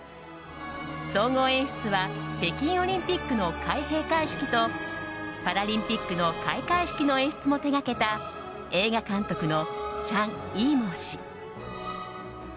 総合演出は北京オリンピックの開閉会式とパラリンピックの開会式の演出も手掛けた映画監督のチャン・イーモウ氏。